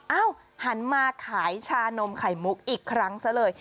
หันมาขายชานมไข่มุกอีกครั้งซะเลย